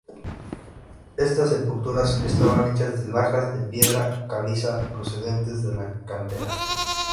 Estas sepulturas estaban hechas de lajas de piedra caliza procedentes de las canteras.